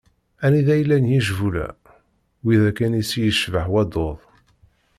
Anida i llan yicbula, wid akken i ssi yecbeḥ waddud.